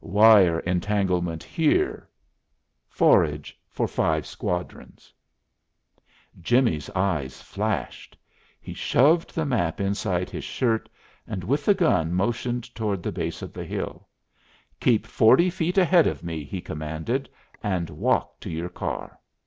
"Wire entanglements here"; "forage for five squadrons." Jimmie's eyes flashed. He shoved the map inside his shirt, and with the gun motioned toward the base of the hill. "Keep forty feet ahead of me," he commanded, "and walk to your car."